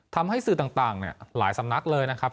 ทำให้สื่อต่างหลายสำนักเลยนะครับ